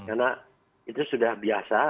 karena itu sudah biasa